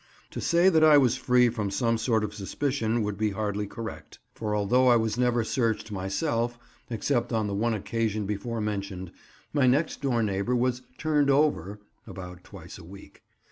To say that I was free from some sort of suspicion would be hardly correct, for although I was never searched myself—except on the one occasion before mentioned—my next door neighbour was "turned over" about twice a week.